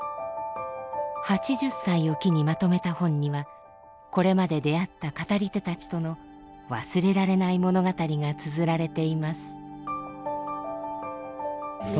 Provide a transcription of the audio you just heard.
８０歳を機にまとめた本にはこれまで出会った語り手たちとの忘れられない物語がつづられています。